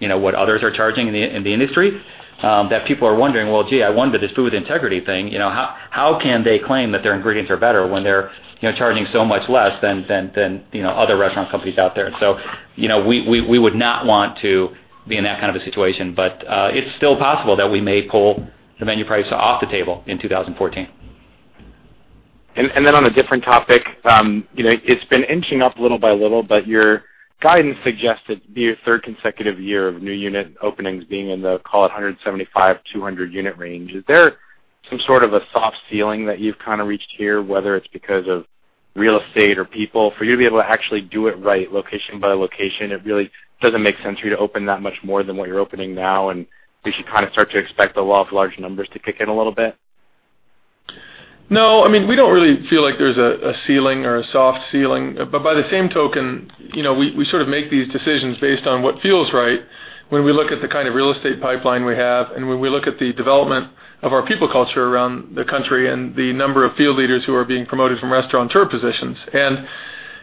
Speaker 5: what others are charging in the industry, that people are wondering, "Well, gee, I wonder, this Food with Integrity thing, how can they claim that their ingredients are better when they're charging so much less than other restaurant companies out there?" We would not want to be in that kind of a situation. It's still possible that we may pull the menu price off the table in 2014.
Speaker 10: On a different topic, it has been inching up little by little, your guidance suggests that be a third consecutive year of new unit openings being in the, call it 175-200-unit range. Is there some sort of a soft ceiling that you have kind of reached here, whether it is because of real estate or people, for you to be able to actually do it right location by location? It really does not make sense for you to open that much more than what you are opening now, we should kind of start to expect the law of large numbers to kick in a little bit?
Speaker 4: No. We do not really feel like there is a ceiling or a soft ceiling. By the same token, we sort of make these decisions based on what feels right when we look at the kind of real estate pipeline we have and when we look at the development of our people culture around the country and the number of field leaders who are being promoted from Restaurateur positions.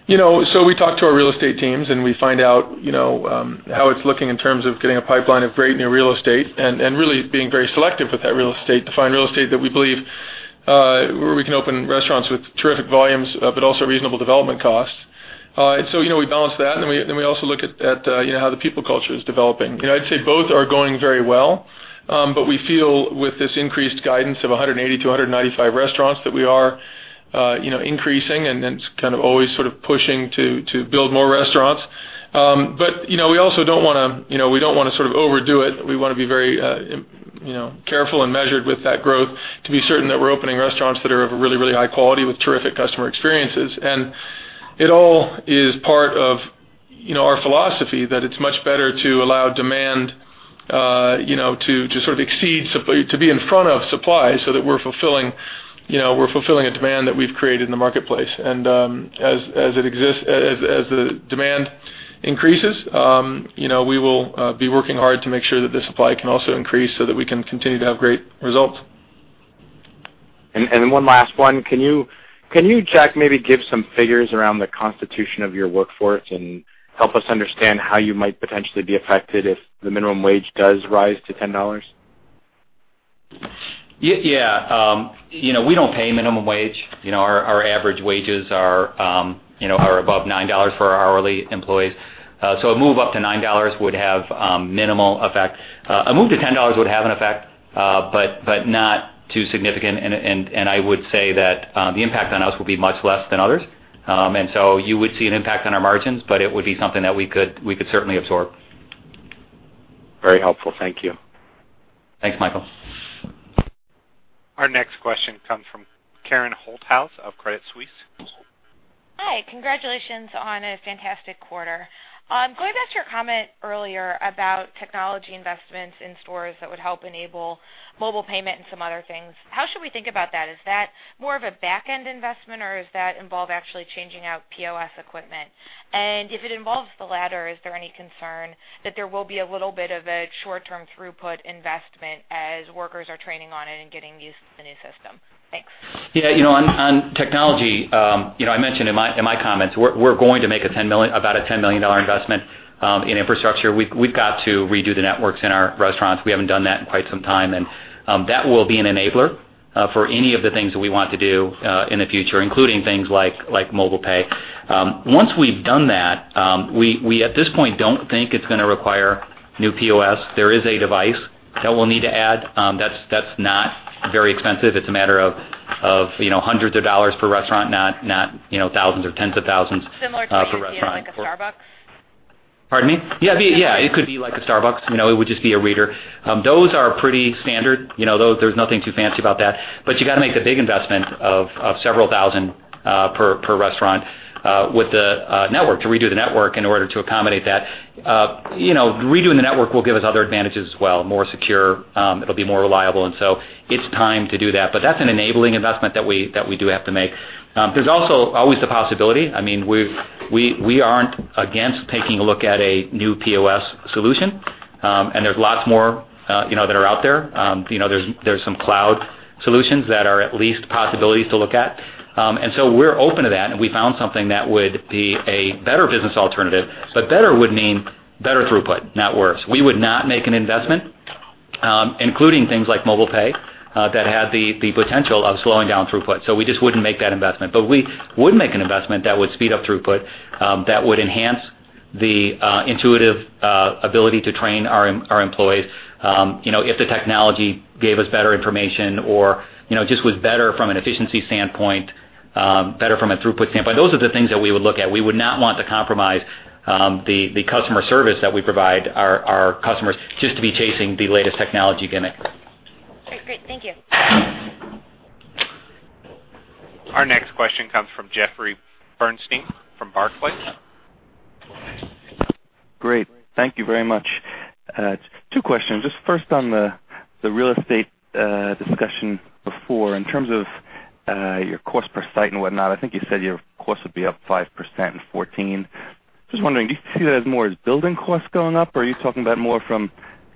Speaker 4: We talk to our real estate teams, and we find out how it is looking in terms of getting a pipeline of great new real estate and really being very selective with that real estate to find real estate that we believe where we can open restaurants with terrific volumes but also reasonable development costs. We balance that, we also look at how the people culture is developing. I would say both are going very well. We feel with this increased guidance of 180-195 restaurants, that we are increasing, it is kind of always sort of pushing to build more restaurants. We do not want to sort of overdo it. We want to be very careful and measured with that growth to be certain that we are opening restaurants that are of a really, really high quality with terrific customer experiences. It all is part of our philosophy that it is much better to allow demand to be in front of supply so that we are fulfilling a demand that we have created in the marketplace. As the demand increases, we will be working hard to make sure that the supply can also increase so that we can continue to have great results.
Speaker 10: One last one. Can you, Jack, maybe give some figures around the constitution of your workforce and help us understand how you might potentially be affected if the minimum wage does rise to $10?
Speaker 5: We don't pay minimum wage. Our average wages are above $9 for our hourly employees. A move up to $9 would have minimal effect. A move to $10 would have an effect, but not too significant, and I would say that the impact on us will be much less than others. You would see an impact on our margins, but it would be something that we could certainly absorb.
Speaker 10: Very helpful. Thank you.
Speaker 5: Thanks, Michael.
Speaker 1: Our next question comes from Karen Holthouse of Credit Suisse.
Speaker 11: Hi. Congratulations on a fantastic quarter. Going back to your comment earlier about technology investments in stores that would help enable mobile payment and some other things, how should we think about that? Is that more of a back-end investment, or is that involve actually changing out POS equipment? If it involves the latter, is there any concern that there will be a little bit of a short-term throughput investment as workers are training on it and getting used to the new system? Thanks.
Speaker 5: Yeah. On technology, I mentioned in my comments, we're going to make about a $10 million investment in infrastructure. We've got to redo the networks in our restaurants. We haven't done that in quite some time, and that will be an enabler for any of the things that we want to do in the future, including things like mobile pay. Once we've done that, we at this point don't think it's going to require new POS. There is a device that we'll need to add. That's not very expensive. It's a matter of hundreds of dollars per restaurant, not thousands or tens of thousands per restaurant.
Speaker 11: Similar to what you'd see in, like, a Starbucks?
Speaker 5: Pardon me? Yeah. It could be like a Starbucks. It would just be a reader. Those are pretty standard. There's nothing too fancy about that. You got to make the big investment of several thousand per restaurant with the network to redo the network in order to accommodate that. Redoing the network will give us other advantages as well, more secure. It'll be more reliable, and so it's time to do that. That's an enabling investment that we do have to make. There's also always the possibility, we aren't against taking a look at a new POS solution. There's lots more that are out there. There's some cloud solutions that are at least possibilities to look at. We're open to that, and we found something that would be a better business alternative, but better would mean better throughput, not worse. We would not make an investment, including things like mobile pay, that had the potential of slowing down throughput. We just wouldn't make that investment. We would make an investment that would speed up throughput, that would enhance The intuitive ability to train our employees. If the technology gave us better information or just was better from an efficiency standpoint, better from a throughput standpoint, those are the things that we would look at. We would not want to compromise the customer service that we provide our customers just to be chasing the latest technology gimmick.
Speaker 11: Great. Thank you.
Speaker 1: Our next question comes from Jeffrey Bernstein from Barclays.
Speaker 12: Great. Thank you very much. Two questions. Just first on the real estate discussion before, in terms of your cost per site and whatnot, I think you said your cost would be up 5% in 2014. Just wondering, do you see that as more as building costs going up, or are you talking about more from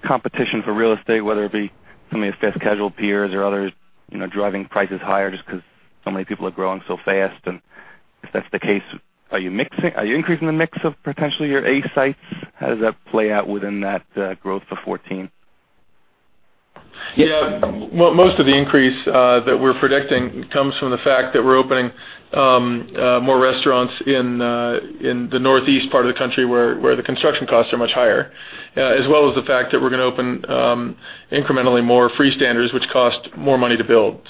Speaker 12: competition for real estate, whether it be some of the fast casual peers or others driving prices higher just because so many people are growing so fast? If that's the case, are you increasing the mix of potentially your A sites? How does that play out within that growth for 2014?
Speaker 4: Yeah. Well, most of the increase that we're predicting comes from the fact that we're opening more restaurants in the northeast part of the country where the construction costs are much higher, as well as the fact that we're going to open incrementally more freestanders, which cost more money to build.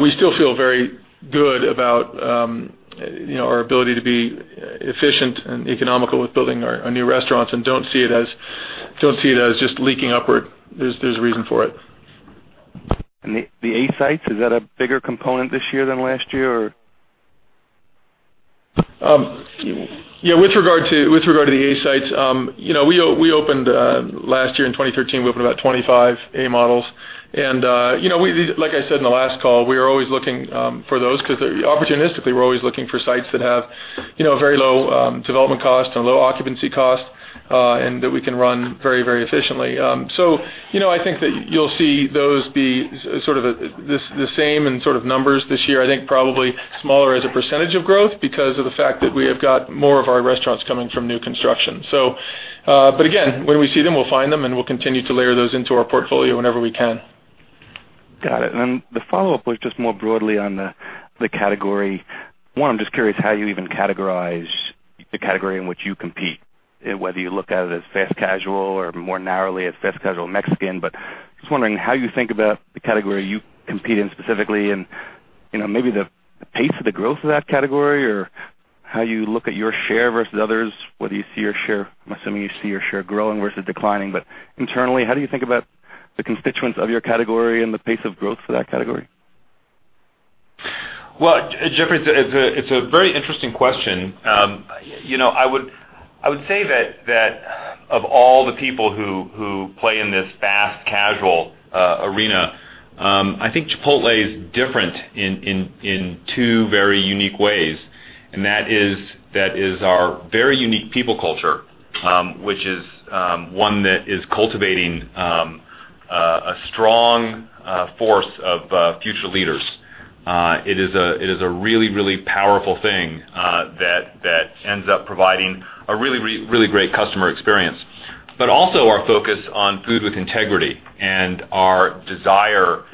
Speaker 4: We still feel very good about our ability to be efficient and economical with building our new restaurants and don't see it as just leaking upward. There's a reason for it.
Speaker 12: The A sites, is that a bigger component this year than last year or?
Speaker 4: Yeah, with regard to the A sites, last year in 2013, we opened about 25 A models. Like I said in the last call, we are always looking for those because opportunistically, we're always looking for sites that have very low development costs and low occupancy costs, and that we can run very efficiently. I think that you'll see those be the same in numbers this year, I think probably smaller as a percentage of growth because of the fact that we have got more of our restaurants coming from new construction. Again, where we see them, we'll find them, and we'll continue to layer those into our portfolio whenever we can.
Speaker 12: Got it. Then the follow-up was just more broadly on the category. One, I am just curious how you even categorize the category in which you compete, whether you look at it as fast casual or more narrowly as fast casual Mexican. Just wondering how you think about the category you compete in specifically and maybe the pace of the growth of that category, or how you look at your share versus others, whether you see your share, I am assuming you see your share growing versus declining, but internally, how do you think about the constituents of your category and the pace of growth for that category?
Speaker 3: Well, Jeffrey, it's a very interesting question. I would say that of all the people who play in this fast casual arena, I think Chipotle is different in two very unique ways. That is our very unique people culture, which is one that is cultivating a strong force of future leaders. It is a really powerful thing that ends up providing a really great customer experience. Also our focus on Food with Integrity and our desire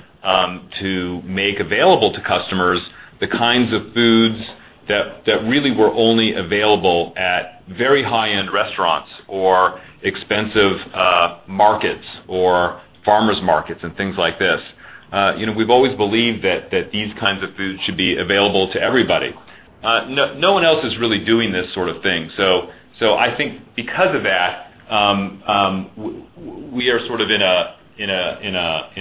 Speaker 3: to make available to customers the kinds of foods that really were only available at very high-end restaurants or expensive markets or farmers markets and things like this. We've always believed that these kinds of foods should be available to everybody. No one else is really doing this sort of thing. I think because of that, we are in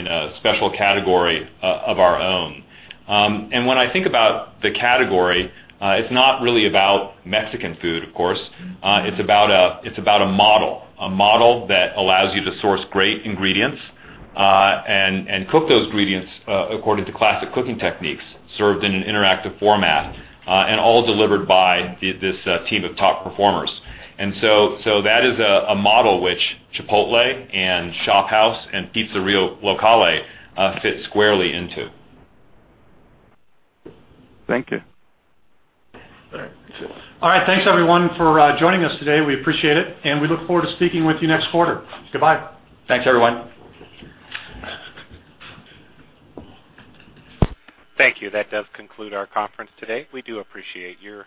Speaker 3: a special category of our own. When I think about the category, it's not really about Mexican food, of course. It's about a model. A model that allows you to source great ingredients and cook those ingredients according to classic cooking techniques, served in an interactive format, and all delivered by this team of top performers. That is a model which Chipotle and ShopHouse and Pizzeria Locale fit squarely into.
Speaker 12: Thank you.
Speaker 4: All right. Thanks, everyone, for joining us today. We appreciate it, and we look forward to speaking with you next quarter. Goodbye.
Speaker 3: Thanks, everyone.
Speaker 1: Thank you. That does conclude our conference today. We do appreciate your